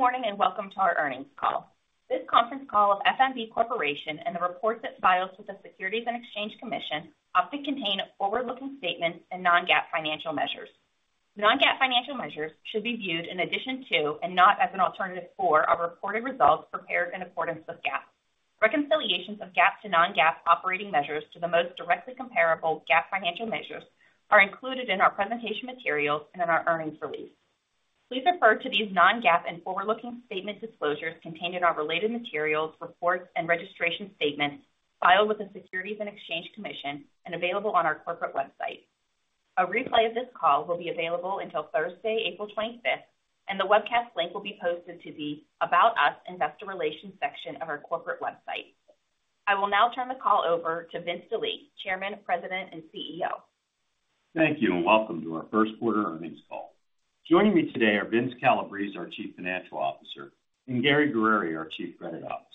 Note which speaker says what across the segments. Speaker 1: Good morning and welcome to our earnings call. This conference call of F.N.B. Corporation and the reports it files with the Securities and Exchange Commission often contain forward-looking statements and non-GAAP financial measures. The non-GAAP financial measures should be viewed in addition to and not as an alternative for our reported results prepared in accordance with GAAP. Reconciliations of GAAP to non-GAAP operating measures to the most directly comparable GAAP financial measures are included in our presentation materials and in our earnings release. Please refer to these non-GAAP and forward-looking statement disclosures contained in our related materials, reports, and registration statements filed with the Securities and Exchange Commission and available on our corporate website. A replay of this call will be available until Thursday, 25 April 2024, and the webcast link will be posted to the About Us Investor Relations section of our corporate website. I will now turn the call over to Vince Delie, Chairman, President, and CEO.
Speaker 2: Thank you and welcome to our first quarter earnings call. Joining me today are Vince Calabrese, our Chief Financial Officer, and Gary Guerrieri, our Chief Credit Officer.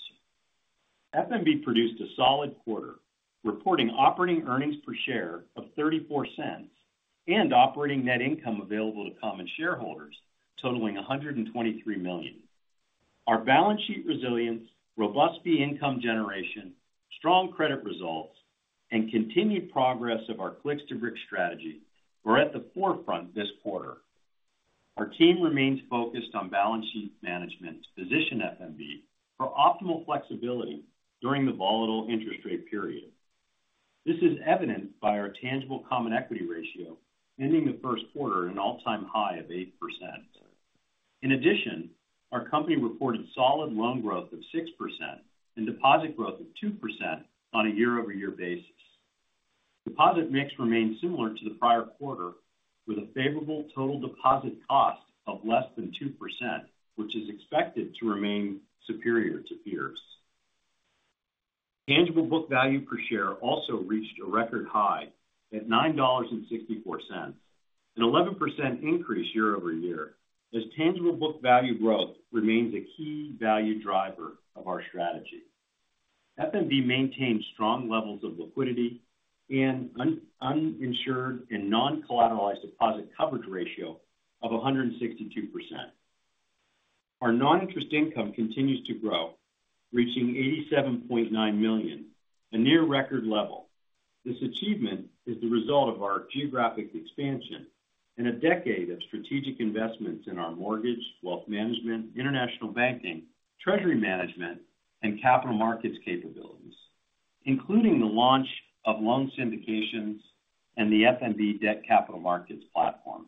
Speaker 2: F.N.B. produced a solid quarter, reporting operating earnings per share of $0.34 and operating net income available to common shareholders totaling $123 million. Our balance sheet resilience, robust NII income generation, strong credit results, and continued progress of our Clicks-to-Bricks strategy were at the forefront this quarter. Our team remains focused on balance sheet management to position F.N.B. for optimal flexibility during the volatile interest rate period. This is evident by our tangible common equity ratio ending the first quarter at an all-time high of 8%. In addition, our company reported solid loan growth of 6% and deposit growth of 2% on a year-over-year basis. Deposit mix remained similar to the prior quarter, with a favorable total deposit cost of less than 2%, which is expected to remain superior to peers. Tangible book value per share also reached a record high at $9.64, an 11% increase year-over-year, as tangible book value growth remains a key value driver of our strategy. F.N.B. maintained strong levels of liquidity and uninsured and non-collateralized deposit coverage ratio of 162%. Our non-interest income continues to grow, reaching $87.9 million, a near-record level. This achievement is the result of our geographic expansion and a decade of strategic investments in our mortgage, wealth management, international banking, treasury management, and capital markets capabilities, including the launch of loan syndications and the F.N.B. Debt Capital Markets platform.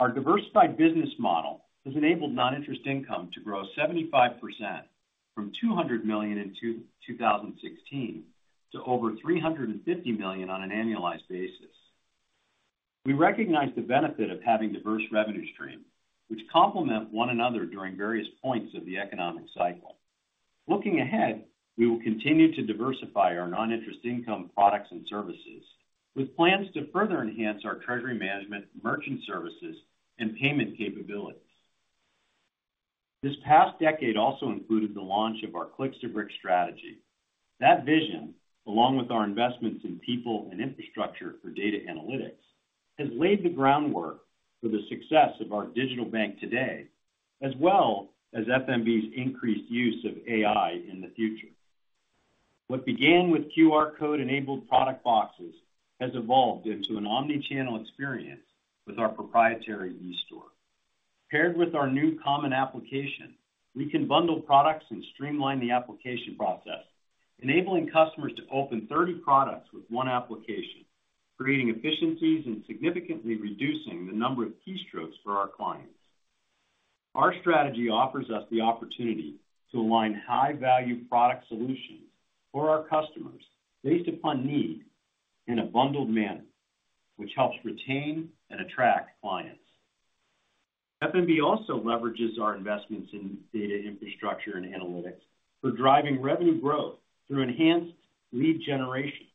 Speaker 2: Our diversified business model has enabled non-interest income to grow 75% from $200 million in 2016 to over $350 million on an annualized basis. We recognize the benefit of having diverse revenue streams, which complement one another during various points of the economic cycle. Looking ahead, we will continue to diversify our non-interest income products and services, with plans to further enhance our treasury management, merchant services, and payment capabilities. This past decade also included the launch of our Clicks-to-Bricks strategy. That vision, along with our investments in people and infrastructure for data analytics, has laid the groundwork for the success of our digital bank today, as well as F.N.B.'s increased use of AI in the future. What began with QR code-enabled product boxes has evolved into an omnichannel experience with our proprietary e-Store. Paired with our new Common Application, we can bundle products and streamline the application process, enabling customers to open 30 products with one application, creating efficiencies and significantly reducing the number of keystrokes for our clients. Our strategy offers us the opportunity to align high-value product solutions for our customers based upon need in a bundled manner, which helps retain and attract clients. F.N.B. also leverages our investments in data infrastructure and analytics for driving revenue growth through enhanced lead generation.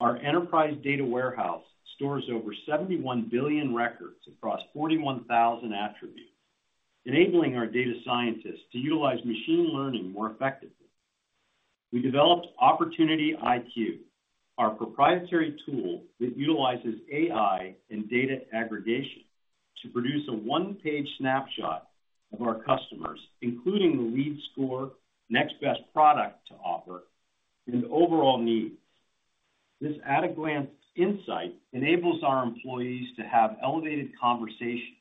Speaker 2: Our enterprise data warehouse stores over 71 billion records across 41,000 attributes, enabling our data scientists to utilize machine learning more effectively. We developed Opportunity IQ, our proprietary tool that utilizes AI and data aggregation to produce a one-page snapshot of our customers, including the lead score, next best product to offer, and overall needs. This at-a-glance insight enables our employees to have elevated conversations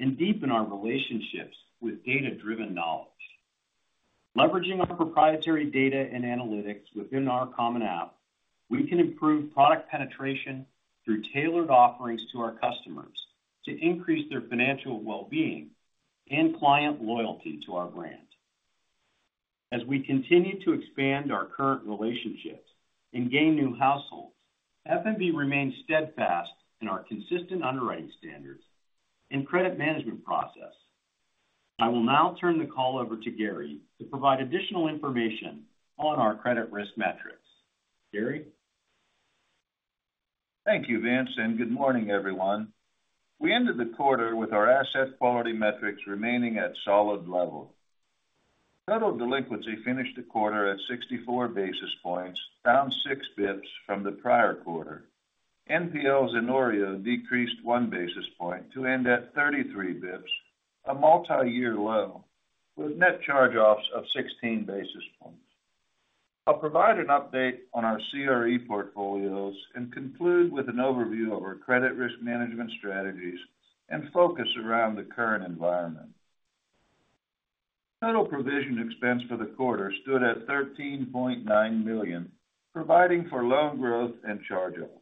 Speaker 2: and deepen our relationships with data-driven knowledge. Leveraging our proprietary data and analytics within our Common App, we can improve product penetration through tailored offerings to our customers to increase their financial well-being and client loyalty to our brand. As we continue to expand our current relationships and gain new households, F.N.B. remains steadfast in our consistent underwriting standards and credit management process. I will now turn the call over to Gary to provide additional information on our credit risk metrics. Gary?
Speaker 3: Thank you, Vince, and good morning, everyone. We ended the quarter with our asset quality metrics remaining at solid level. Total delinquency finished the quarter at 64 basis points, down six basis points from the prior quarter. NPLs and OREO decreased one basis point to end at 33 basis points, a multi-year low, with net charge-offs of 16 basis points. I'll provide an update on our CRE portfolios and conclude with an overview of our credit risk management strategies and focus around the current environment. Total provision expense for the quarter stood at $13.9 million, providing for loan growth and charge-offs.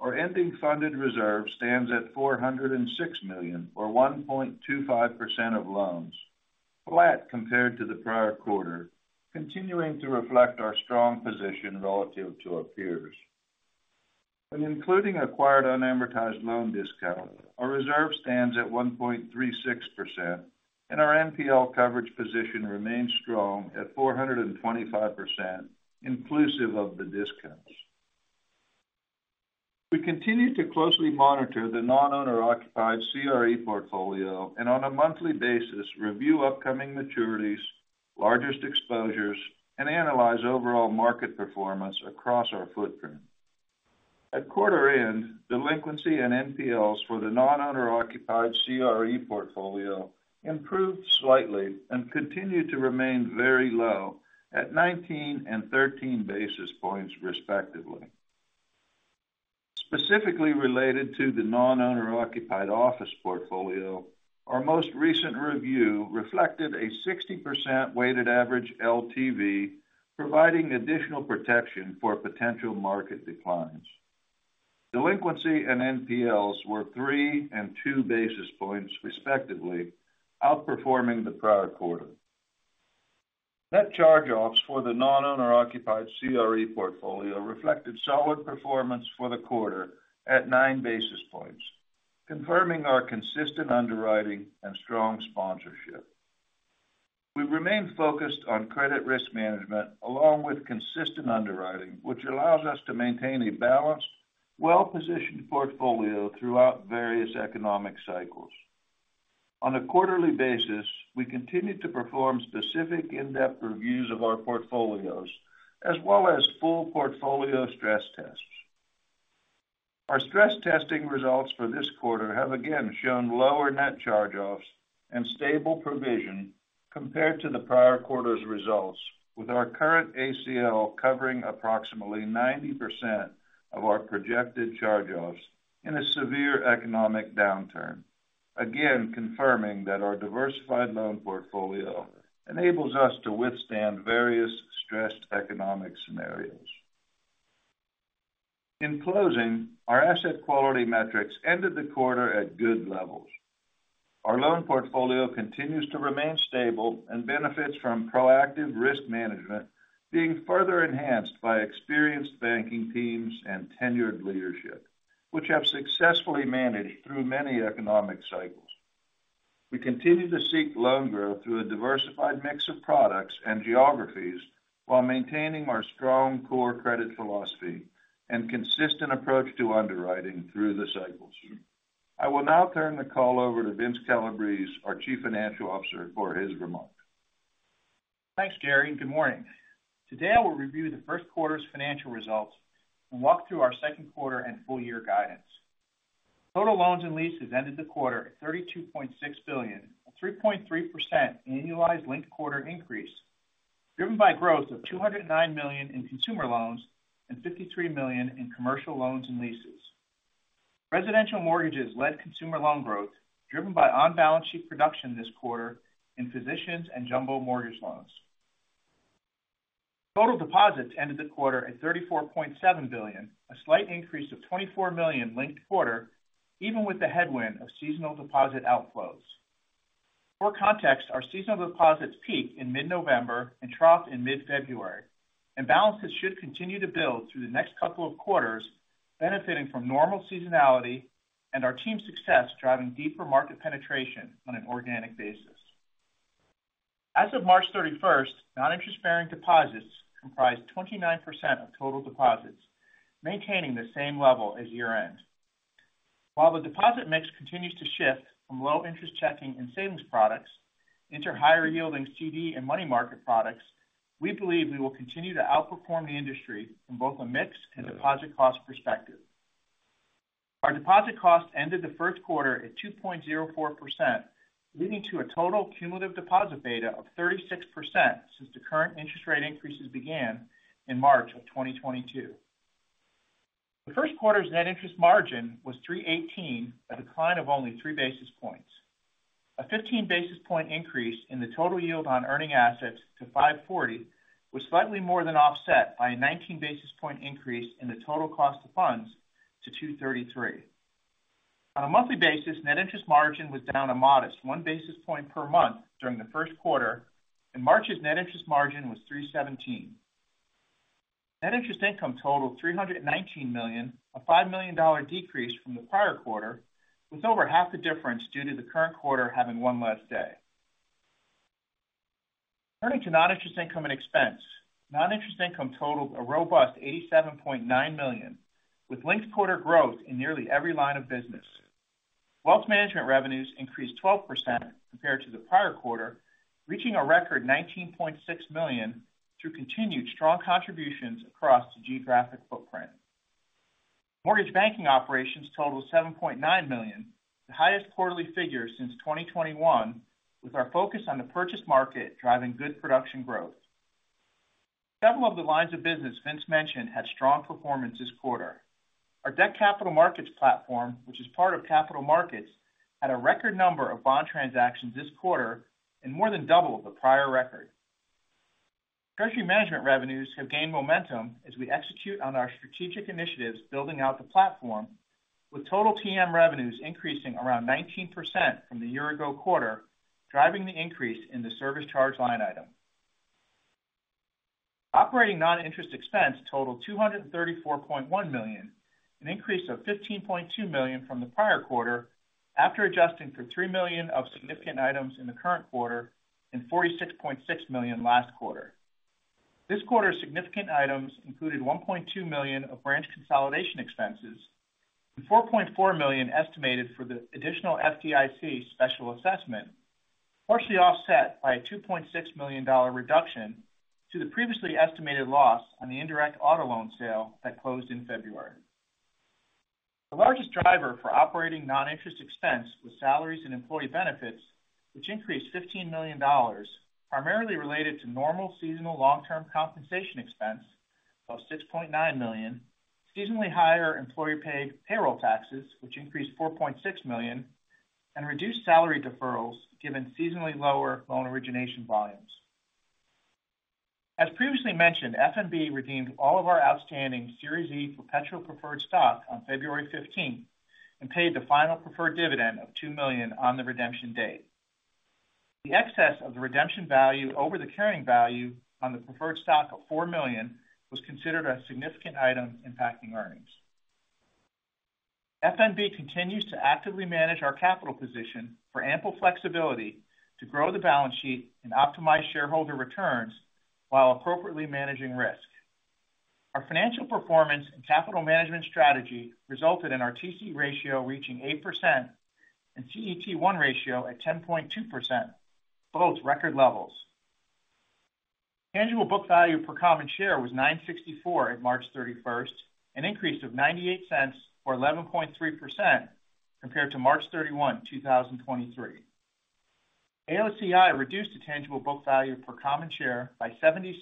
Speaker 3: Our ending funded reserve stands at $406 million, or 1.25% of loans, flat compared to the prior quarter, continuing to reflect our strong position relative to our peers. When including acquired unamortized loan discounts, our reserve stands at 1.36%, and our NPL coverage position remains strong at 425% inclusive of the discounts. We continue to closely monitor the non-owner-occupied CRE portfolio and, on a monthly basis, review upcoming maturities, largest exposures, and analyze overall market performance across our footprint. At quarter-end, delinquency and NPLs for the non-owner-occupied CRE portfolio improved slightly and continue to remain very low at 19 and 13 basis points, respectively. Specifically related to the non-owner-occupied office portfolio, our most recent review reflected a 60% weighted average LTV, providing additional protection for potential market declines. Delinquency and NPLs were three and two basis points, respectively, outperforming the prior quarter. Net charge-offs for the non-owner-occupied CRE portfolio reflected solid performance for the quarter at nine basis points, confirming our consistent underwriting and strong sponsorship. We remain focused on credit risk management along with consistent underwriting, which allows us to maintain a balanced, well-positioned portfolio throughout various economic cycles. On a quarterly basis, we continue to perform specific in-depth reviews of our portfolios, as well as full portfolio stress tests. Our stress testing results for this quarter have again shown lower net charge-offs and stable provision compared to the prior quarter's results, with our current ACL covering approximately 90% of our projected charge-offs in a severe economic downturn, again confirming that our diversified loan portfolio enables us to withstand various stressed economic scenarios. In closing, our asset quality metrics ended the quarter at good levels. Our loan portfolio continues to remain stable and benefits from proactive risk management, being further enhanced by experienced banking teams and tenured leadership, which have successfully managed through many economic cycles. We continue to seek loan growth through a diversified mix of products and geographies while maintaining our strong core credit philosophy and consistent approach to underwriting through the cycles. I will now turn the call over to Vince Calabrese, our Chief Financial Officer, for his remarks.
Speaker 4: Thanks, Gary, and good morning. Today I will review the first quarter's financial results and walk through our second quarter and full-year guidance. Total loans and leases ended the quarter at $32.6 billion, a 3.3% annualized linked quarter increase, driven by growth of $209 million in consumer loans and $53 million in commercial loans and leases. Residential mortgages led consumer loan growth, driven by on-balance sheet production this quarter in physician and jumbo mortgage loans. Total deposits ended the quarter at $34.7 billion, a slight increase of $24 million linked quarter, even with the headwind of seasonal deposit outflows. For context, our seasonal deposits peaked in mid-November and troughed in mid-February, and balances should continue to build through the next couple of quarters, benefiting from normal seasonality and our team's success driving deeper market penetration on an organic basis. As of 31 March 2024, non-interest bearing deposits comprise 29% of total deposits, maintaining the same level as year-end. While the deposit mix continues to shift from low-interest checking and savings products into higher-yielding CD and money market products, we believe we will continue to outperform the industry from both a mix and deposit cost perspective. Our deposit costs ended the first quarter at 2.04%, leading to a total cumulative deposit beta of 36% since the current interest rate increases began in March of 2022. The first quarter's net interest margin was 3.18%, a decline of only three basis points. A 15 basis point increase in the total yield on earning assets to 5.40% was slightly more than offset by a 19 basis point increase in the total cost of funds to 2.33%. On a monthly basis, net interest margin was down a modest one basis point per month during the first quarter, and March's net interest margin was 3.17%. Net interest income totaled $319 million, a $5 million decrease from the prior quarter, with over half the difference due to the current quarter having one less day. Turning to non-interest income and expense, non-interest income totaled a robust $87.9 million, with linked quarter growth in nearly every line of business. Wealth management revenues increased 12% compared to the prior quarter, reaching a record $19.6 million through continued strong contributions across the geographic footprint. Mortgage banking operations totaled $7.9 million, the highest quarterly figure since 2021, with our focus on the purchase market driving good production growth. Several of the lines of business Vince mentioned had strong performance this quarter. Our debt capital markets platform, which is part of Capital Markets, had a record number of bond transactions this quarter and more than double the prior record. Treasury management revenues have gained momentum as we execute on our strategic initiatives building out the platform, with total TM revenues increasing around 19% from the year-ago quarter, driving the increase in the service charge line item. Operating non-interest expense totaled $234.1 million, an increase of $15.2 million from the prior quarter after adjusting for $3 million of significant items in the current quarter and $46.6 million last quarter. This quarter's significant items included $1.2 million of branch consolidation expenses and $4.4 million estimated for the additional FDIC special assessment, partially offset by a $2.6 million reduction to the previously estimated loss on the indirect auto loan sale that closed in February. The largest driver for operating non-interest expense was salaries and employee benefits, which increased $15 million, primarily related to normal seasonal long-term compensation expense of $6.9 million, seasonally higher employee-paid payroll taxes, which increased $4.6 million, and reduced salary deferrals given seasonally lower loan origination volumes. As previously mentioned, F.N.B. redeemed all of our outstanding Series E perpetual preferred stock on 15 February 2024 and paid the final preferred dividend of $2 million on the redemption date. The excess of the redemption value over the carrying value on the preferred stock of $4 million was considered a significant item impacting earnings. F.N.B. continues to actively manage our capital position for ample flexibility to grow the balance sheet and optimize shareholder returns while appropriately managing risk. Our financial performance and capital management strategy resulted in our TC ratio reaching 8% and CET1 ratio at 10.2%, both record levels. Tangible book value per common share was $9.64 at 31 March 2024, an increase of $0.98 or 11.3% compared to 31 March 2023. AOCI reduced the tangible book value per common share by $0.70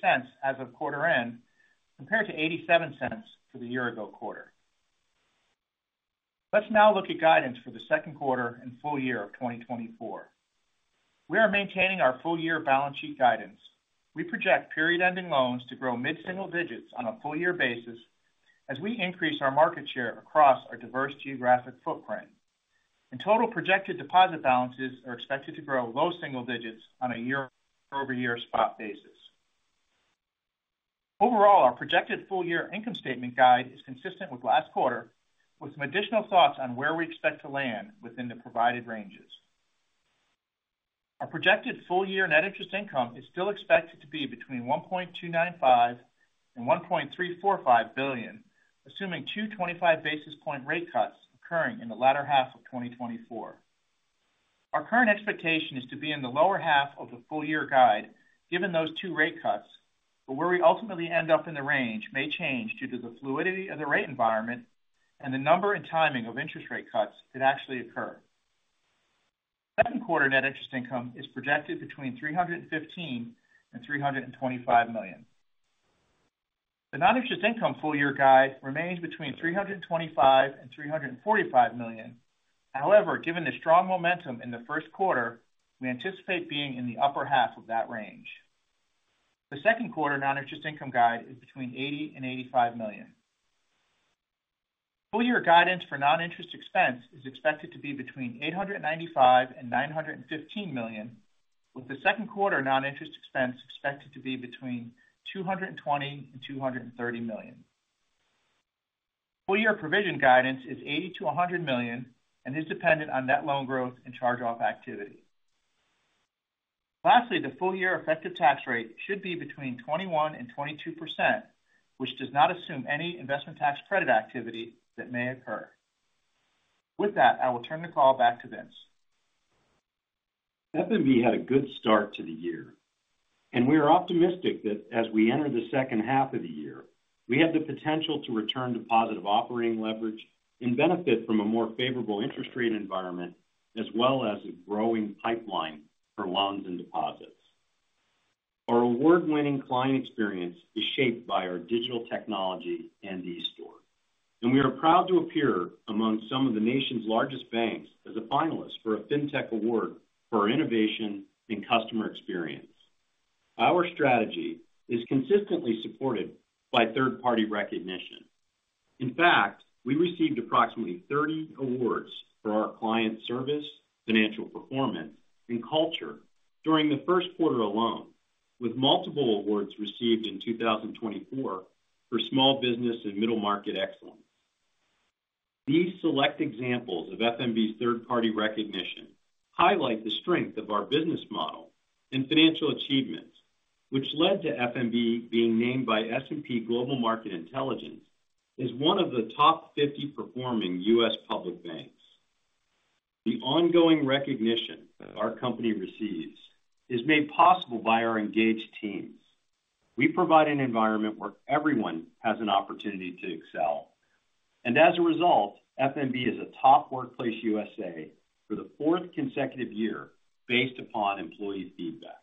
Speaker 4: as of quarter-end compared to $0.87 for the year-ago quarter. Let's now look at guidance for the second quarter and full year of 2024. We are maintaining our full-year balance sheet guidance. We project period-ending loans to grow mid-single digits on a full-year basis as we increase our market share across our diverse geographic footprint. Total projected deposit balances are expected to grow low single digits on a year-over-year spot basis. Overall, our projected full-year income statement guide is consistent with last quarter, with some additional thoughts on where we expect to land within the provided ranges. Our projected full-year net interest income is still expected to be between $1.295 to 1.345 billion, assuming two 25 basis point rate cuts occurring in the latter half of 2024. Our current expectation is to be in the lower half of the full-year guide given those two rate cuts, but where we ultimately end up in the range may change due to the fluidity of the rate environment and the number and timing of interest rate cuts that actually occur. Second quarter net interest income is projected between $315 to 325 million. The non-interest income full-year guide remains between $325 to 345 million. However, given the strong momentum in the first quarter, we anticipate being in the upper half of that range. The second quarter non-interest income guide is between $80 to 85 million. Full-year guidance for non-interest expense is expected to be between $895 million and $915 million, with the second quarter non-interest expense expected to be between $220 million and $230 million. Full-year provision guidance is $80 to 100 million and is dependent on net loan growth and charge-off activity. Lastly, the full-year effective tax rate should be between 21% and 22%, which does not assume any investment tax credit activity that may occur. With that, I will turn the call back to Vince.
Speaker 2: F.N.B. had a good start to the year, and we are optimistic that as we enter the second half of the year, we have the potential to return to positive operating leverage and benefit from a more favorable interest rate environment as well as a growing pipeline for loans and deposits. Our award-winning client experience is shaped by our digital technology and e-store, and we are proud to appear among some of the nation's largest banks as a finalist for a FinTech Award for Innovation and Customer Experience. Our strategy is consistently supported by third-party recognition. In fact, we received approximately 30 awards for our client service, financial performance, and culture during the first quarter alone, with multiple awards received in 2024 for small business and middle market excellence. These select examples of F.N.B.'s third-party recognition highlight the strength of our business model and financial achievements, which led to F.N.B. Being named by S&P Global Market Intelligence as one of the top 50 performing US public banks. The ongoing recognition our company receives is made possible by our engaged teams. We provide an environment where everyone has an opportunity to excel, and as a result, F.N.B. is a top workplace USA for the fourth consecutive year based upon employee feedback.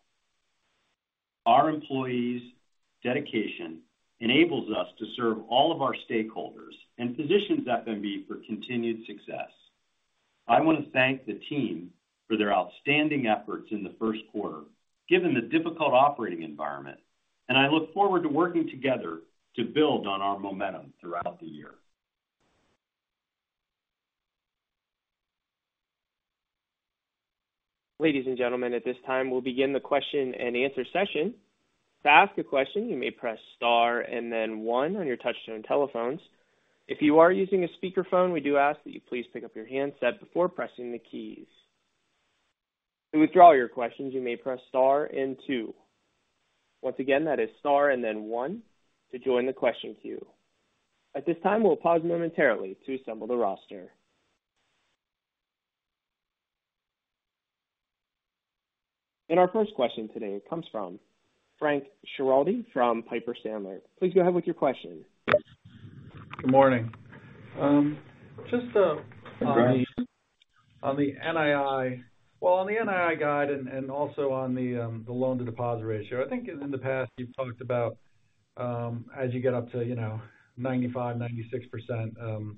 Speaker 2: Our employees' dedication enables us to serve all of our stakeholders and positions F.N.B. for continued success. I want to thank the team for their outstanding efforts in the first quarter given the difficult operating environment, and I look forward to working together to build on our momentum throughout the year.
Speaker 5: Ladies and gentlemen, at this time, we'll begin the question-and-answer session. To ask a question, you may press star and then one on your touchtone telephones. If you are using a speakerphone, we do ask that you please pick up your handset before pressing the keys. To withdraw your questions, you may press star and two. Once again, that is star and then one to join the question queue. At this time, we'll pause momentarily to assemble the roster. Our first question today comes from Frank Schiraldi from Piper Sandler. Please go ahead with your question.
Speaker 6: Good morning. Just on the NII, well, on the NII guide and also on the loan-to-deposit ratio. I think in the past you've talked about as you get up to 95% to 96%,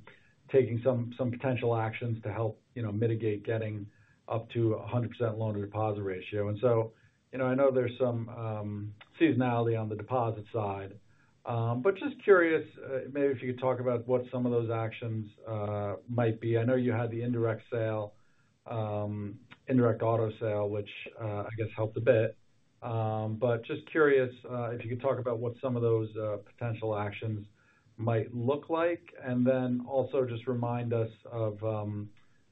Speaker 6: taking some potential actions to help mitigate getting up to 100% loan-to-deposit ratio. And so I know there's some seasonality on the deposit side, but just curious maybe if you could talk about what some of those actions might be. I know you had the indirect auto sale, which I guess helped a bit, but just curious if you could talk about what some of those potential actions might look like and then also just remind us of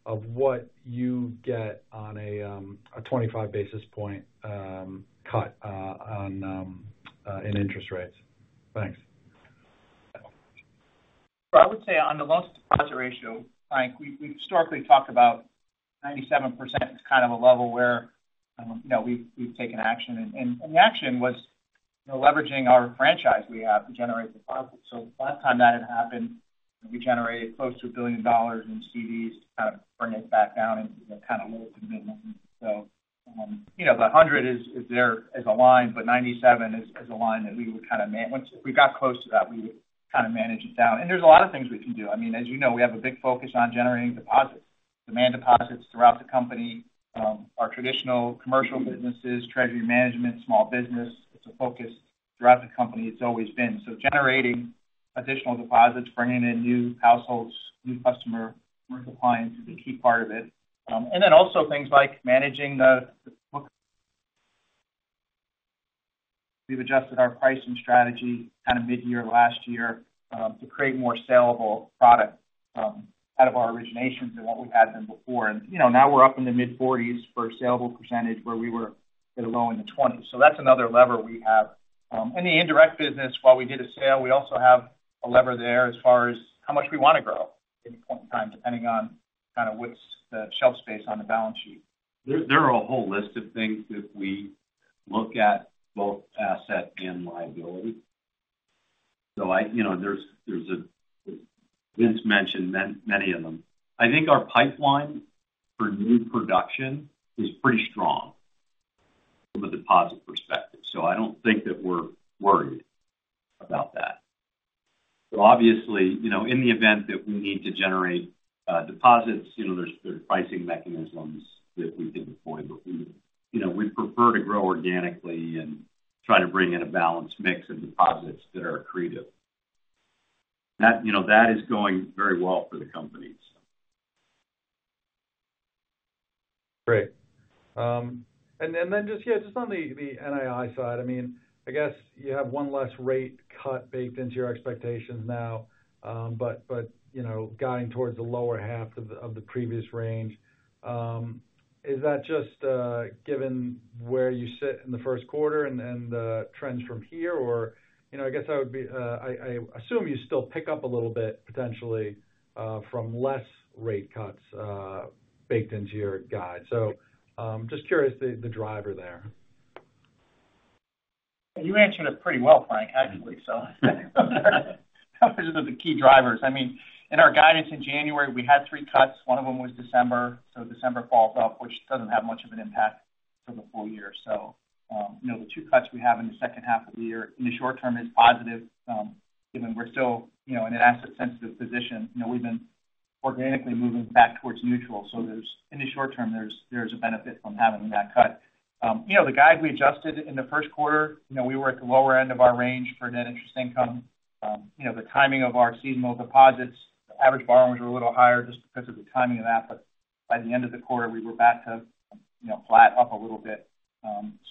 Speaker 6: what you get on a 25 basis point cut in interest rates. Thanks.
Speaker 4: Well, I would say on the loan-to-deposit ratio, Frank, we've historically talked about 97% is kind of a level where we've taken action. And the action was leveraging our franchise we have to generate deposits. So the last time that had happened, we generated close to $1 billion in CDs to kind of bring it back down into the kind of low to mid-level. So the 100 is aligned, but 97 is a line that we would kind of if we got close to that, we would kind of manage it down. And there's a lot of things we can do. I mean, as you know, we have a big focus on generating deposits, demand deposits throughout the company. Our traditional commercial businesses, treasury management, small business, it's a focus throughout the company it's always been. So generating additional deposits, bringing in new households, new customer, commercial clients is a key part of it. And then also things like managing, we've adjusted our pricing strategy kind of mid-year last year to create more sellable product out of our originations than what we had been before. And now we're up in the mid-40% for a sellable percentage where we were at a low in the 20%. So that's another lever we have. In the indirect business, while we did a sale, we also have a lever there as far as how much we want to grow at any point in time depending on kind of what's the shelf space on the balance sheet.
Speaker 2: There are a whole list of things that we look at, both asset and liability. So as Vince mentioned many of them. I think our pipeline for new production is pretty strong from a deposit perspective. So I don't think that we're worried about that. So obviously, in the event that we need to generate deposits, there's pricing mechanisms that we can deploy. But we prefer to grow organically and try to bring in a balanced mix of deposits that are accretive. That is going very well for the company, so.
Speaker 6: Great. And then just, yeah, just on the NII side, I mean, I guess you have one less rate cut baked into your expectations now, but guiding towards the lower half of the previous range. Is that just given where you sit in the first quarter and the trends from here? Or I guess I assume you still pick up a little bit potentially from less rate cuts baked into your guide. So just curious the driver there.
Speaker 4: You answered it pretty well, Frank, actually, so those are the key drivers. I mean, in our guidance in January, we had three cuts. One of them was December. So December falls off, which doesn't have much of an impact for the full year. So the two cuts we have in the second half of the year in the short term is positive given we're still in an asset-sensitive position. We've been organically moving back towards neutral. So in the short term, there's a benefit from having that cut. The guide we adjusted in the first quarter, we were at the lower end of our range for net interest income. The timing of our seasonal deposits, the average borrowings were a little higher just because of the timing of that. But by the end of the quarter, we were back to flat up a little bit.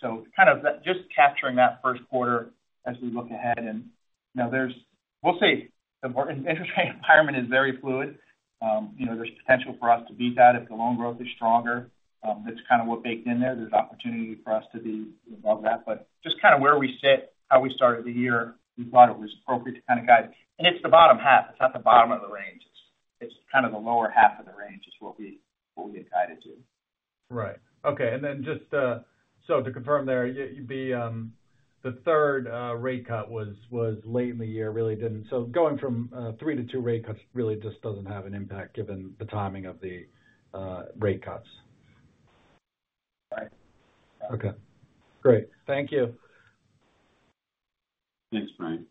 Speaker 4: So kind of just capturing that first quarter as we look ahead. And we'll say the interest rate environment is very fluid. There's potential for us to beat that if the loan growth is stronger. That's kind of what baked in there. There's opportunity for us to be above that. But just kind of where we sit, how we started the year, we thought it was appropriate to kind of guide and it's the bottom half. It's not the bottom of the range. It's kind of the lower half of the range is what we get guided to.
Speaker 6: Right. Okay. And then just so to confirm there, the third rate cut was late in the year, really didn't, so going from three to two rate cuts really just doesn't have an impact given the timing of the rate cuts.
Speaker 4: Right.
Speaker 6: Okay. Great. Thank you.
Speaker 2: Thanks, Frank.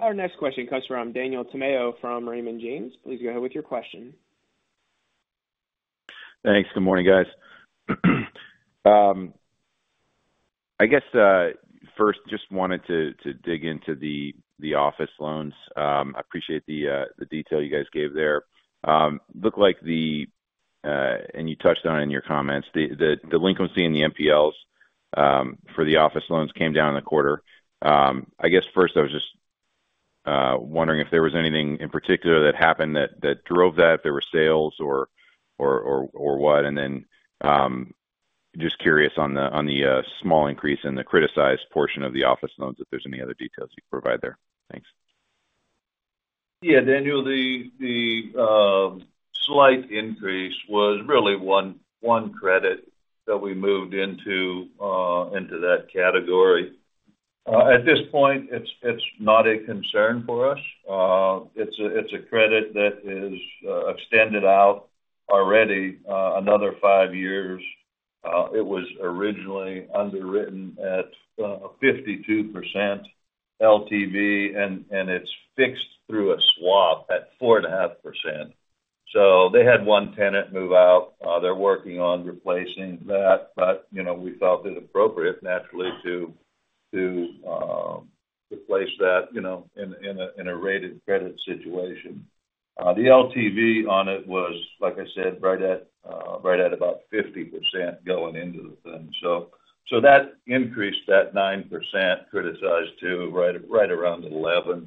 Speaker 5: Our next question comes from Daniel Tamayo from Raymond James. Please go ahead with your question.
Speaker 7: Thanks. Good morning, guys. I guess first, just wanted to dig into the office loans. I appreciate the detail you guys gave there. Looked like, and you touched on it in your comments, the NPLs for the office loans came down in the quarter. I guess first, I was just wondering if there was anything in particular that happened that drove that, if there were sales or what. And then just curious on the small increase in the criticized portion of the office loans, if there's any other details you can provide there. Thanks.
Speaker 3: Yeah, Daniel, the slight increase was really one credit that we moved into that category. At this point, it's not a concern for us. It's a credit that is extended out already another five years. It was originally underwritten at 52% LTV, and it's fixed through a swap at 4.5%. So they had one tenant move out. They're working on replacing that, but we felt it appropriate, naturally, to replace that in a rated credit situation. The LTV on it was, like I said, right at about 50% going into the thing. So that increased, that 9% criticized to right around 11%.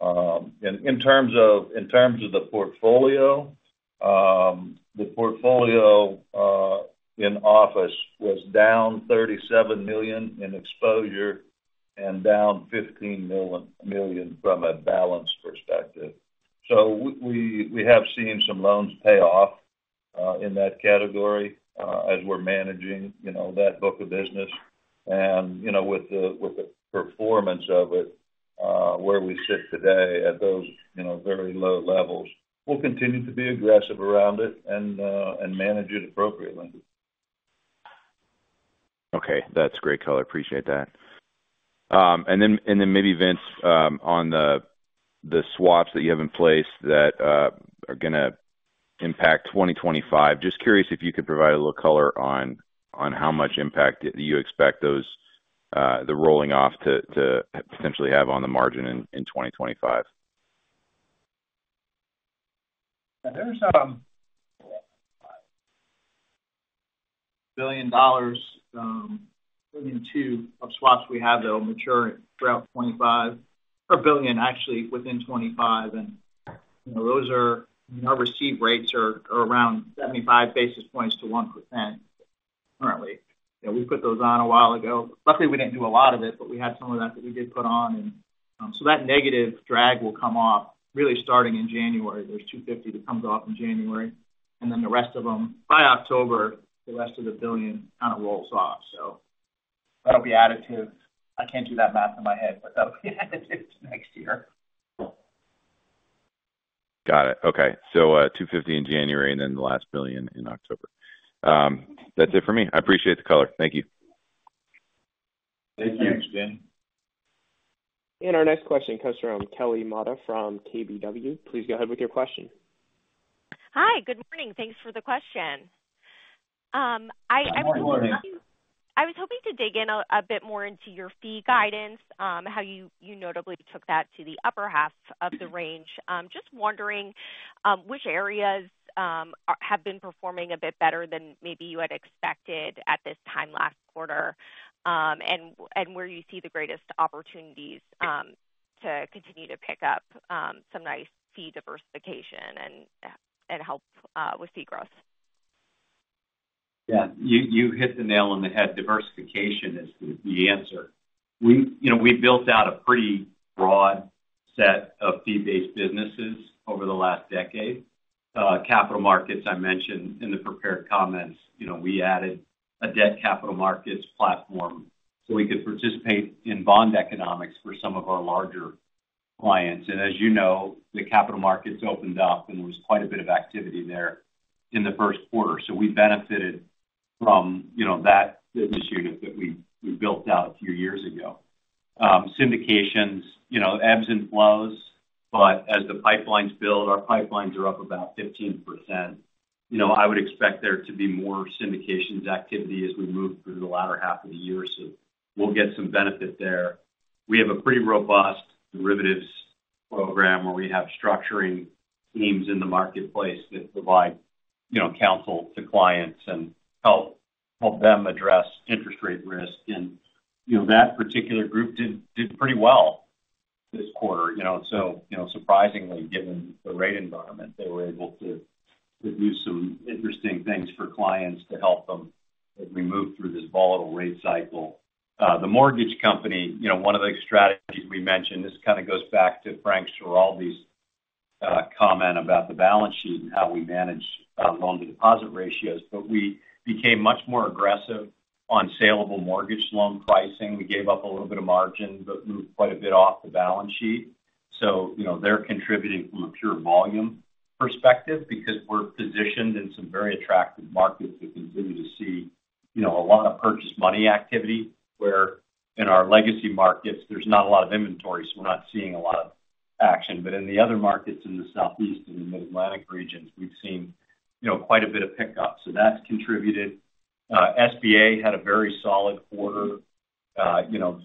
Speaker 3: And in terms of the portfolio, the portfolio in office was down $37 million in exposure and down $15 million from a balance perspective. So we have seen some loans pay off in that category as we're managing that book of business. With the performance of it where we sit today at those very low levels, we'll continue to be aggressive around it and manage it appropriately.
Speaker 7: Okay. That's great color. Appreciate that. And then maybe, Vince, on the swaps that you have in place that are going to impact 2025, just curious if you could provide a little color on how much impact you expect the rolling-off to potentially have on the margin in 2025?
Speaker 4: There's $1 to 1.2 billion of swaps we have, though, mature throughout 2025 or $1 billion, actually, within 2025. And those are our receipt rates are around 75 basis points to 1% currently. We put those on a while ago. Luckily, we didn't do a lot of it, but we had some of that that we did put on. And so that negative drag will come off really starting in January. There's $250 million that comes off in January. And then the rest of them, by October, the rest of the $1 billion kind of rolls off. So that'll be additive. I can't do that math in my head, but that'll be additive to next year.
Speaker 7: Got it. Okay. So $250 in January and then the last $1 billion in October. That's it for me. I appreciate the color. Thank you.
Speaker 2: Thank you, Mr. Daniel.
Speaker 5: Our next question comes from Kelly Motta from KBW. Please go ahead with your question.
Speaker 8: Hi. Good morning. Thanks for the question. I was hoping to dig in a bit more into your fee guidance, how you notably took that to the upper half of the range. Just wondering which areas have been performing a bit better than maybe you had expected at this time last quarter and where you see the greatest opportunities to continue to pick up some nice fee diversification and help with fee growth.
Speaker 2: Yeah. You hit the nail on the head. Diversification is the answer. We built out a pretty broad set of fee-based businesses over the last decade. Capital markets, I mentioned in the prepared comments, we added a debt capital markets platform so we could participate in bond economics for some of our larger clients. And as you know, the capital markets opened up, and there was quite a bit of activity there in the first quarter. So we benefited from that business unit that we built out a few years ago. Syndications, ebbs and flows. But as the pipelines build, our pipelines are up about 15%. I would expect there to be more syndications activity as we move through the latter half of the year. So we'll get some benefit there. We have a pretty robust derivatives program where we have structuring teams in the marketplace that provide counsel to clients and help them address interest rate risk. That particular group did pretty well this quarter. Surprisingly, given the rate environment, they were able to produce some interesting things for clients to help them as we move through this volatile rate cycle. The mortgage company, one of the strategies we mentioned, this kind of goes back to Frank Schiraldi's comment about the balance sheet and how we manage loan-to-deposit ratios. We became much more aggressive on sellable mortgage loan pricing. We gave up a little bit of margin but moved quite a bit off the balance sheet. So they're contributing from a pure volume perspective because we're positioned in some very attractive markets to continue to see a lot of purchase money activity where in our legacy markets, there's not a lot of inventory, so we're not seeing a lot of action. But in the other markets in the Southeast and the Mid-Atlantic regions, we've seen quite a bit of pickup. So that's contributed. SBA had a very solid quarter.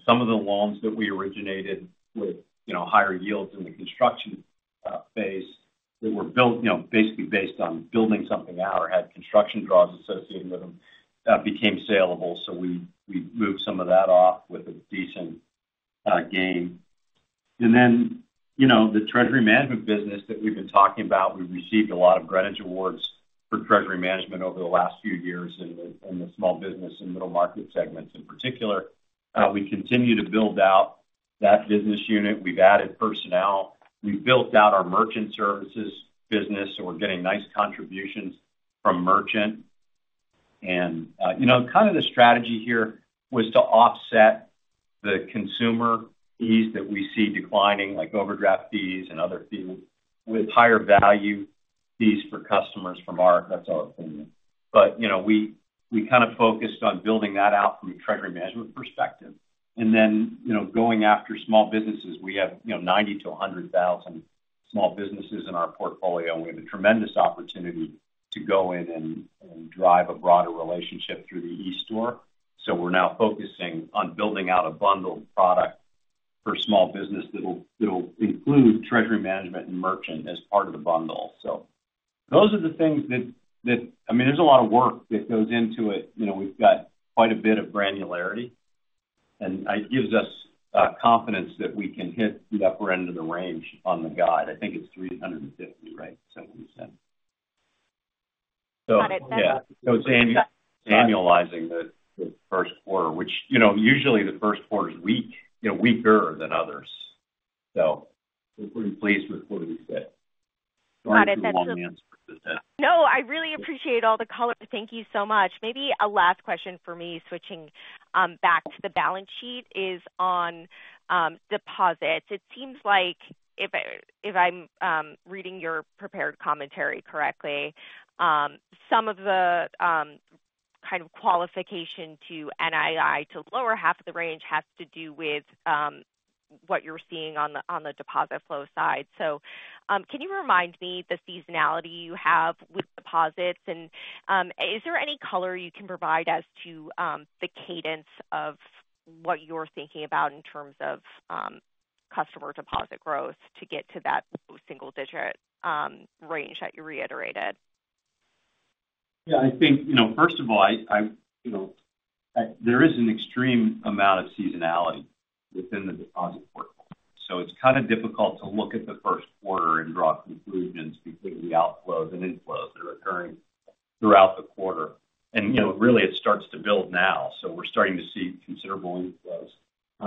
Speaker 2: Some of the loans that we originated with higher yields in the construction phase that were basically based on building something out or had construction draws associated with them became sellable. So we moved some of that off with a decent gain. And then the treasury management business that we've been talking about, we've received a lot of Greenwich Awards for treasury management over the last few years in the small business and middle market segments in particular. We continue to build out that business unit. We've added personnel. We've built out our merchant services business. So we're getting nice contributions from merchant. And kind of the strategy here was to offset the consumer fees that we see declining, like overdraft fees and other fees with higher value fees for customers from our that's our opinion. But we kind of focused on building that out from a treasury management perspective. And then going after small businesses, we have 90 to 100 thousand small businesses in our portfolio, and we have a tremendous opportunity to go in and drive a broader relationship through the e-Store. So we're now focusing on building out a bundled product for small business that'll include treasury management and merchant as part of the bundle. So those are the things that I mean, there's a lot of work that goes into it. We've got quite a bit of granularity, and it gives us confidence that we can hit the upper end of the range on the guide. I think it's 350, right, is that what you said?
Speaker 8: Got it. That's.
Speaker 2: Yeah. So it's annualizing the first quarter, which usually the first quarter's weaker than others. So we're pretty pleased with where we sit.
Speaker 8: Got it.
Speaker 2: That's a long answer to that.
Speaker 8: No, I really appreciate all the color. Thank you so much. Maybe a last question for me, switching back to the balance sheet, is on deposits. It seems like, if I'm reading your prepared commentary correctly, some of the kind of qualification to NII to lower half of the range has to do with what you're seeing on the deposit flow side. So can you remind me the seasonality you have with deposits? And is there any color you can provide as to the cadence of what you're thinking about in terms of customer deposit growth to get to that single-digit range that you reiterated?
Speaker 2: Yeah. I think, first of all, there is an extreme amount of seasonality within the deposit portfolio. So it's kind of difficult to look at the first quarter and draw conclusions between the outflows and inflows that are occurring throughout the quarter. And really, it starts to build now. So we're starting to see considerable inflows.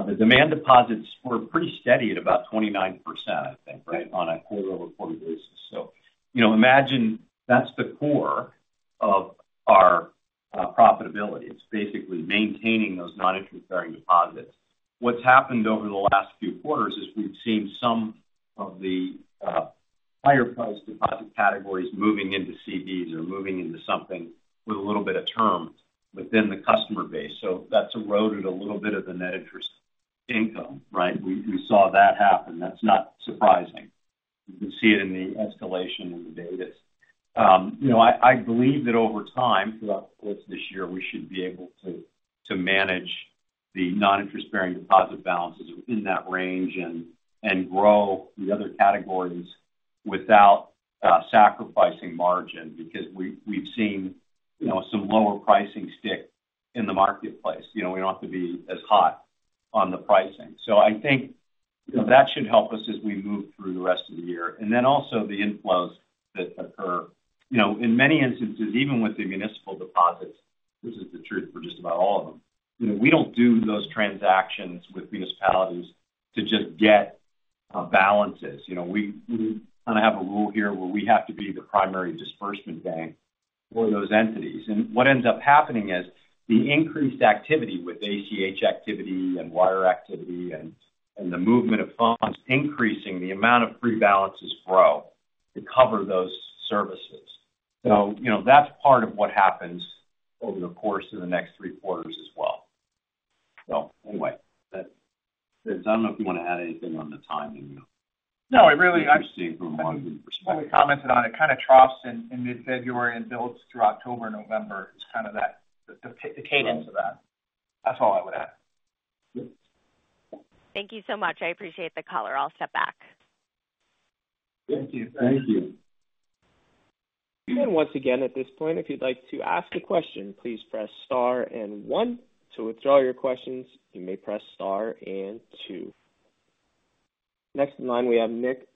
Speaker 2: The demand deposits were pretty steady at about 29%, I think, right, on a quarter-over-quarter basis. So imagine that's the core of our profitability. It's basically maintaining those non-interest-bearing deposits. What's happened over the last few quarters is we've seen some of the higher-priced deposit categories moving into CDs or moving into something with a little bit of term within the customer base. So that's eroded a little bit of the net interest income, right? We saw that happen. That's not surprising. You can see it in the escalation in the data. I believe that over time, throughout the course of this year, we should be able to manage the non-interest-bearing deposit balances in that range and grow the other categories without sacrificing margin because we've seen some lower pricing stick in the marketplace. We don't have to be as hot on the pricing. So I think that should help us as we move through the rest of the year. And then also the inflows that occur. In many instances, even with the municipal deposits, this is the truth for just about all of them, we don't do those transactions with municipalities to just get balances. We kind of have a rule here where we have to be the primary disbursement bank for those entities. And what ends up happening is the increased activity with ACH activity and wire activity and the movement of funds increasing the amount of free balances grow to cover those services. So that's part of what happens over the course of the next three quarters as well. So anyway, I don't know if you want to add anything on the timing. No, I really. I've seen from a long-term perspective.
Speaker 4: When we commented on it, it kind of troughs in mid-February and builds through October and November. It's kind of the cadence of that. That's all I would add.
Speaker 8: Thank you so much. I appreciate the color. I'll step back.
Speaker 2: Thank you. Thank you.
Speaker 5: Once again, at this point, if you'd like to ask a question, please press star and one. To withdraw your questions, you may press star and two. Next in line, we have Nick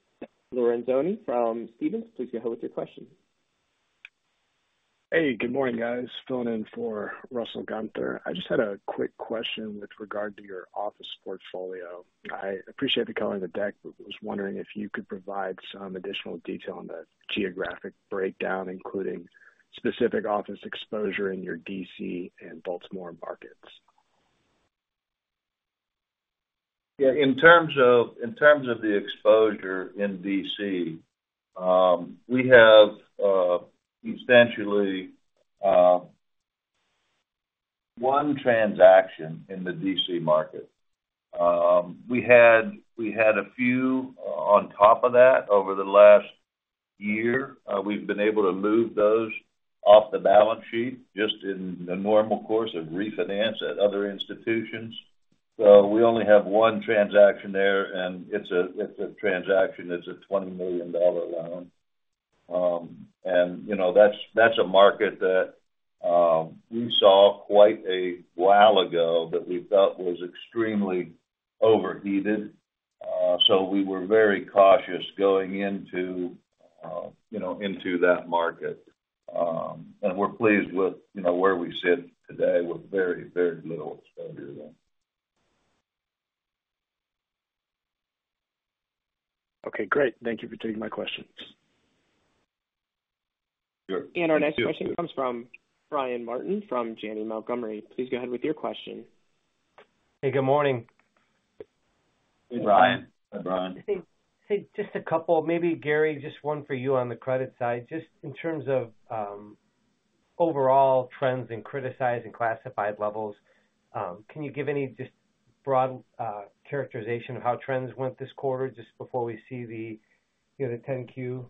Speaker 5: Lorenzoni from Stephens. Please go ahead with your question.
Speaker 9: Hey. Good morning, guys. Phoning in for Russell Gunther. I just had a quick question with regard to your office portfolio. I appreciate the color of the deck, but was wondering if you could provide some additional detail on the geographic breakdown, including specific office exposure in your DC and Baltimore markets?
Speaker 3: Yeah. In terms of the exposure in DC, we have substantially one transaction in the DC market. We had a few on top of that over the last year. We've been able to move those off the balance sheet just in the normal course of refinance at other institutions. So we only have one transaction there, and it's a transaction that's a $20 million loan. And that's a market that we saw quite a while ago that we thought was extremely overheated. So we were very cautious going into that market. And we're pleased with where we sit today with very, very little exposure there.
Speaker 9: Okay. Great. Thank you for taking my questions.
Speaker 3: Sure.
Speaker 5: Our next question comes from Brian Martin from Janney Montgomery Scott. Please go ahead with your question.
Speaker 10: Hey. Good morning.
Speaker 3: Hey, Brian.
Speaker 2: Hi, Brian.
Speaker 10: Hey. Just a couple. Maybe, Gary, just one for you on the credit side. Just in terms of overall trends and criticized and classified levels, can you give any just broad characterization of how trends went this quarter just before we see the 10-Q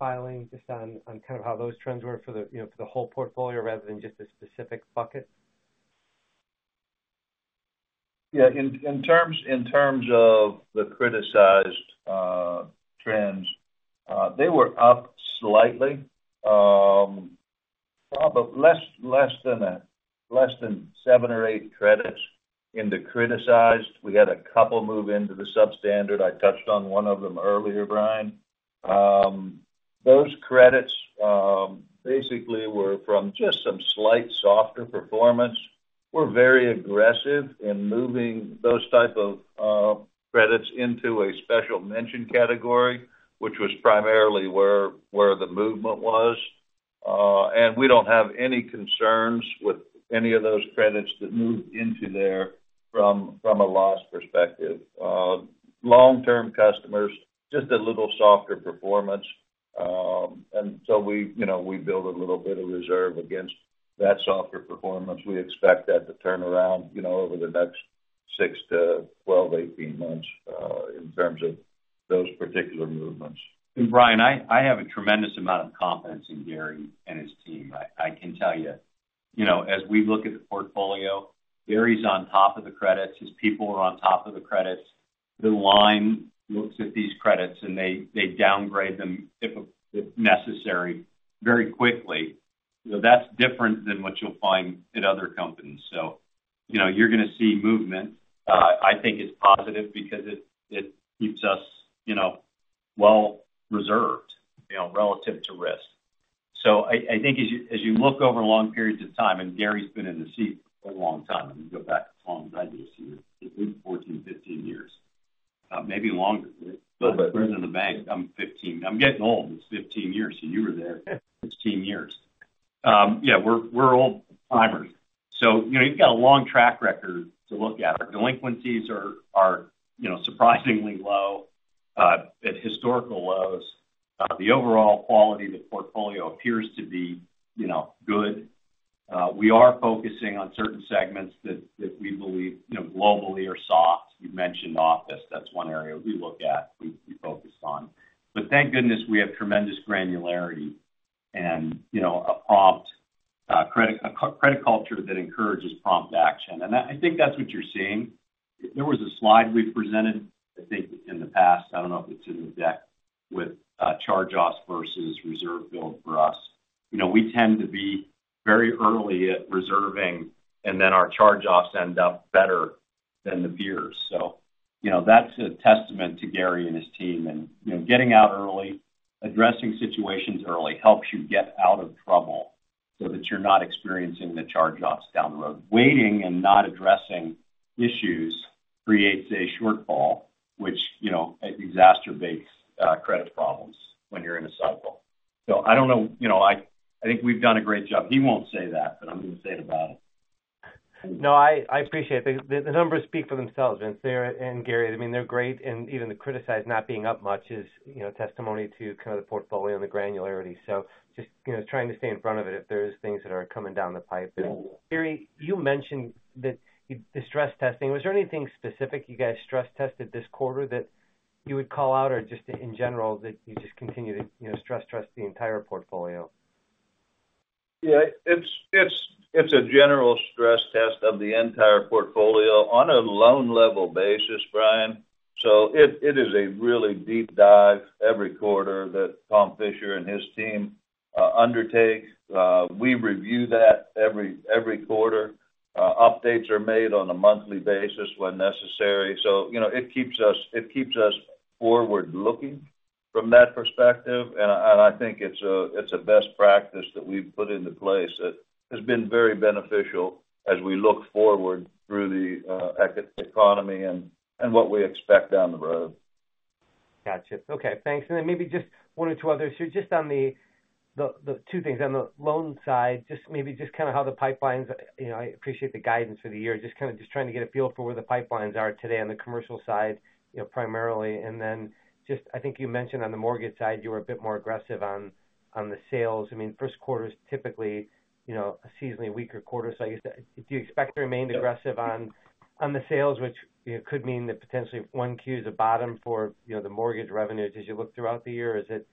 Speaker 10: filing just on kind of how those trends were for the whole portfolio rather than just a specific bucket?
Speaker 3: Yeah. In terms of the criticized trends, they were up slightly, probably less than seven or eight credits in the criticized. We had a couple move into the substandard. I touched on one of them earlier, Brian. Those credits basically were from just some slight softer performance. We're very aggressive in moving those type of credits into a special mention category, which was primarily where the movement was. And we don't have any concerns with any of those credits that moved into there from a loss perspective. Long-term customers, just a little softer performance. And so we build a little bit of reserve against that softer performance. We expect that to turn around over the next six to 12 or 18 months in terms of those particular movements.
Speaker 2: Brian, I have a tremendous amount of confidence in Gary and his team. I can tell you, as we look at the portfolio, Gary's on top of the credits. His people are on top of the credits. The line looks at these credits, and they downgrade them if necessary very quickly. That's different than what you'll find at other companies. So you're going to see movement. I think it's positive because it keeps us well-reserved relative to risk. So I think as you look over long periods of time and Gary's been in the seat a long time. Let me go back as long as I do, say, 14, 15 years, maybe longer, right? But president of the bank, I'm 15. I'm getting old. It's 15 years. So you were there 16 years. Yeah. We're old-timers. So you've got a long track record to look at. Our delinquencies are surprisingly low at historical lows. The overall quality of the portfolio appears to be good. We are focusing on certain segments that we believe globally are soft. You mentioned office. That's one area we look at. We focus on. But thank goodness we have tremendous granularity and a credit culture that encourages prompt action. And I think that's what you're seeing. There was a slide we presented, I think, in the past. I don't know if it's in the deck with charge-offs versus reserve build for us. We tend to be very early at reserving, and then our charge-offs end up better than the peers. So that's a testament to Gary and his team. And getting out early, addressing situations early helps you get out of trouble so that you're not experiencing the charge-offs down the road. Waiting and not addressing issues creates a shortfall, which exacerbates credit problems when you're in a cycle. So I don't know. I think we've done a great job. He won't say that, but I'm going to say it about it.
Speaker 10: No, I appreciate it. The numbers speak for themselves, Vincent and Gary. I mean, they're great. And even the criticized not being up much is testimony to kind of the portfolio and the granularity. So just trying to stay in front of it if there are things that are coming down the pipe. Gary, you mentioned that you'd stress-testing. Was there anything specific you guys stress-tested this quarter that you would call out or just in general that you just continue to stress-test the entire portfolio?
Speaker 3: Yeah. It's a general stress test of the entire portfolio on a loan-level basis, Brian. So it is a really deep dive every quarter that Tom Fisher and his team undertake. We review that every quarter. Updates are made on a monthly basis when necessary. So it keeps us forward-looking from that perspective. And I think it's a best practice that we've put into place that has been very beneficial as we look forward through the economy and what we expect down the road.
Speaker 10: Gotcha. Okay. Thanks. And then maybe just one or two others. So just on the two things, on the loan side, maybe just kind of how the pipelines. I appreciate the guidance for the year, just kind of just trying to get a feel for where the pipelines are today on the commercial side primarily. And then just, I think you mentioned on the mortgage side, you were a bit more aggressive on the sales. I mean, first quarter is typically a seasonally weaker quarter. So I guess do you expect to remain aggressive on the sales, which could mean that potentially 1Q is a bottom for the mortgage revenues as you look throughout the year? Is it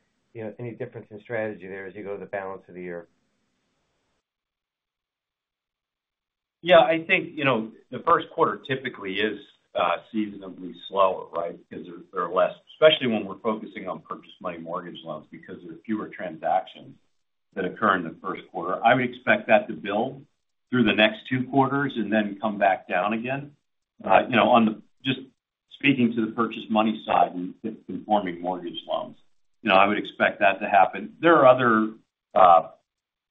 Speaker 10: any difference in strategy there as you go to the balance of the year?
Speaker 2: Yeah. I think the first quarter typically is seasonally slower, right, because there are less, especially when we're focusing on purchase money mortgage loans, because there are fewer transactions that occur in the first quarter. I would expect that to build through the next two quarters and then come back down again. Just speaking to the purchase money side and refinancing mortgage loans, I would expect that to happen. There are other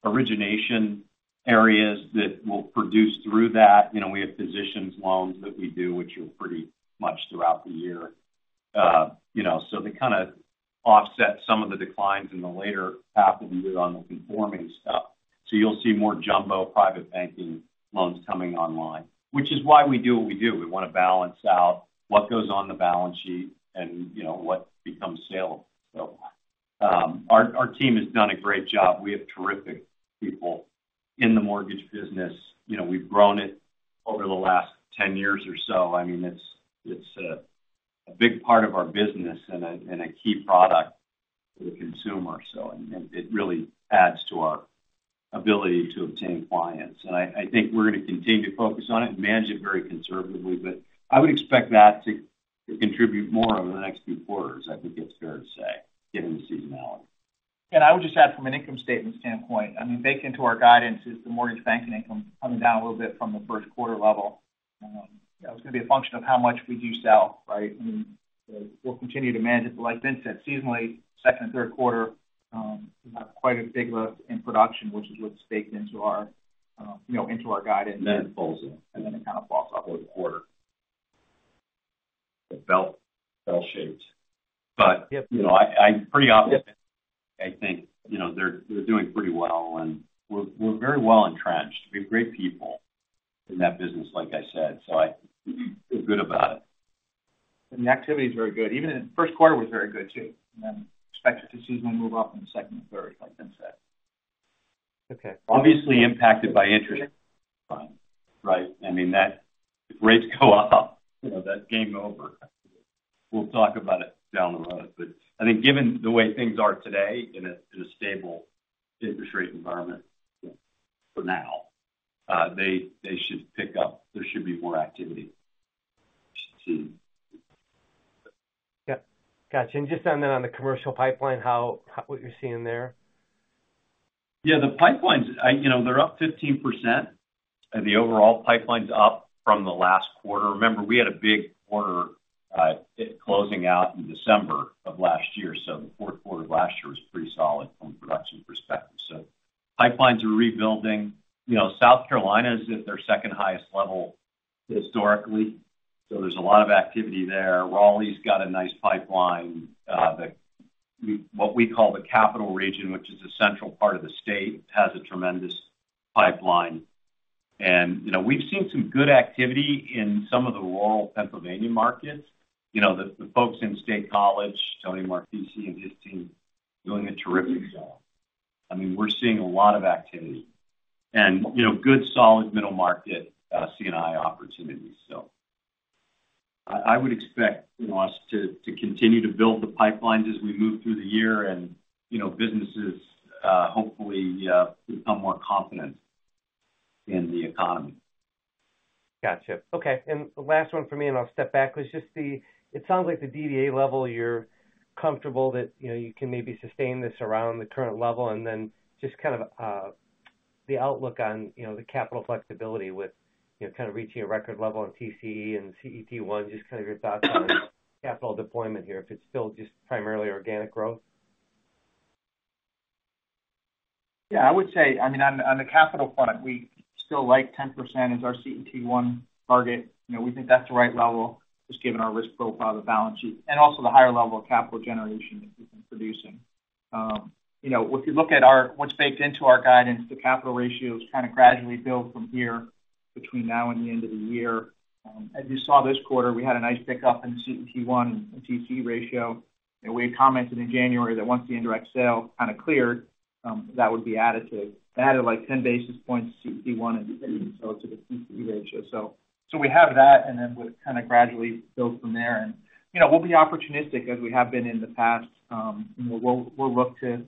Speaker 2: origination areas that will produce through that. We have physicians' loans that we do, which are pretty much throughout the year. So they kind of offset some of the declines in the later half of the year on the conforming stuff. So you'll see more jumbo private banking loans coming online, which is why we do what we do. We want to balance out what goes on the balance sheet and what becomes saleable. So our team has done a great job. We have terrific people in the mortgage business. We've grown it over the last 10 years or so. I mean, it's a big part of our business and a key product for the consumer. So it really adds to our ability to obtain clients. And I think we're going to continue to focus on it and manage it very conservatively. But I would expect that to contribute more over the next few quarters, I think it's fair to say, given the seasonality.
Speaker 4: I would just add from an income statement standpoint. I mean, baked into our guidance is the mortgage banking income coming down a little bit from the first quarter level. Yeah. It's going to be a function of how much we do sell, right? I mean, we'll continue to manage it. But like Vincent said, seasonally, second and third quarter, we have quite a big lift in production, which is what's baked into our guidance.
Speaker 2: And then it falls in.
Speaker 4: And then it kind of falls off over the quarter.
Speaker 2: It's bell-shaped. But I'm pretty optimistic. I think they're doing pretty well. And we're very well entrenched. We have great people in that business, like I said. So I feel good about it.
Speaker 4: The activity is very good. Even in the first quarter was very good too. Then expect it to seasonally move up in the second and third, like Vincent said.
Speaker 2: Obviously impacted by interest rates, Brian, right? I mean, if rates go up, that game's over. We'll talk about it down the road. But I think given the way things are today in a stable interest rate environment for now, they should pick up. There should be more activity.
Speaker 10: Yeah. Gotcha. And just on then on the commercial pipeline, what you're seeing there?
Speaker 2: Yeah. The pipelines, they're up 15%. The overall pipeline's up from the last quarter. Remember, we had a big quarter closing out in December of last year. So the fourth quarter of last year was pretty solid from a production perspective. So pipelines are rebuilding. South Carolina is at their second-highest level historically. So there's a lot of activity there. Raleigh's got a nice pipeline. What we call the Capital Region, which is a central part of the state, has a tremendous pipeline. And we've seen some good activity in some of the rural Pennsylvania markets. The folks in State College, Tony Marfisi, and his team doing a terrific job. I mean, we're seeing a lot of activity and good solid middle-market C&I opportunities, so. I would expect us to continue to build the pipelines as we move through the year. And businesses hopefully become more confident in the economy.
Speaker 10: Gotcha. Okay. And the last one for me, and I'll step back, was just that it sounds like the DDA level, you're comfortable that you can maybe sustain this around the current level. And then just kind of the outlook on the capital flexibility with kind of reaching a record level on TCE and CET1, just kind of your thoughts on capital deployment here, if it's still just primarily organic growth?
Speaker 4: Yeah. I mean, on the capital front, we still like 10% as our CET1 target. We think that's the right level just given our risk profile, the balance sheet, and also the higher level of capital generation that we've been producing. If you look at what's baked into our guidance, the capital ratios kind of gradually build from here between now and the end of the year. As you saw this quarter, we had a nice pickup in the CET1 and TCE ratio. And we had commented in January that once the indirect sale kind of cleared, that would be added to it. They added like 10 basis points to CET1 and DDA. So it's a good TCE ratio. So we have that. And then we'll kind of gradually build from there. And we'll be opportunistic as we have been in the past. We'll look to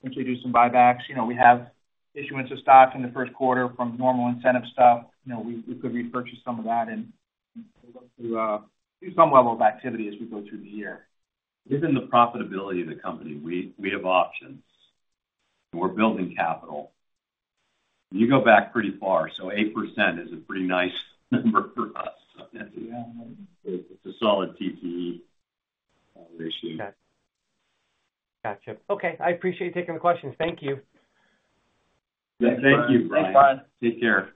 Speaker 4: potentially do some buybacks. We have issuance of stock in the first quarter from normal incentive stuff. We could repurchase some of that. We'll look to do some level of activity as we go through the year.
Speaker 2: Given the profitability of the company, we have options. We're building capital. You go back pretty far. 8% is a pretty nice number for us. It's a solid TCE ratio.
Speaker 10: Okay. Gotcha. Okay. I appreciate you taking the questions. Thank you.
Speaker 3: Thank you, Brian.
Speaker 4: Thanks, Brian.
Speaker 2: Take care.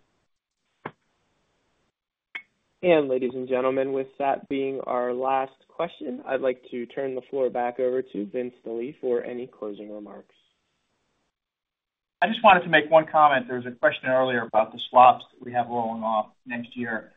Speaker 5: Ladies and gentlemen, with that being our last question, I'd like to turn the floor back over to Vince Delie for any closing remarks.
Speaker 4: I just wanted to make one comment. There was a question earlier about the swaps that we have rolling off next year.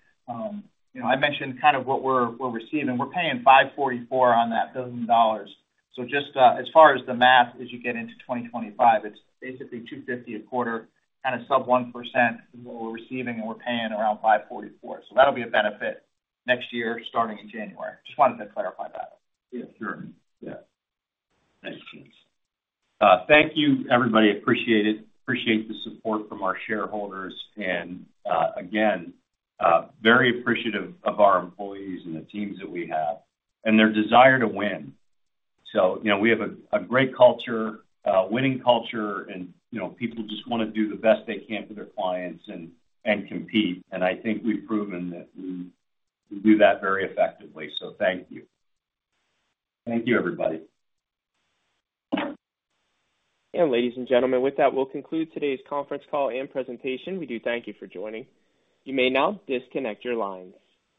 Speaker 4: I mentioned kind of what we're receiving. We're paying 5.44% on that $1 billion. So just as far as the math as you get into 2025, it's basically 250 a quarter, kind of sub 1% of what we're receiving. And we're paying around 5.44%. So that'll be a benefit next year starting in January. Just wanted to clarify that.
Speaker 2: Yeah. Sure. Yeah. Makes sense. Thank you, everybody. Appreciate it. Appreciate the support from our shareholders. And again, very appreciative of our employees and the teams that we have. And their desire to win. So we have a great culture, winning culture. And people just want to do the best they can for their clients and compete. And I think we've proven that we do that very effectively. So thank you. Thank you, everybody.
Speaker 5: Ladies and gentlemen, with that, we'll conclude today's conference call and presentation. We do thank you for joining. You may now disconnect your lines.